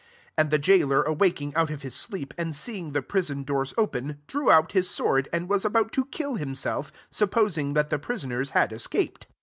27 And the gaoler awakii^ out of his sleep, and seeing te prison doors open, drew out his sword, and was about ta* kill himself, supposing that t^ prisoners had escaped.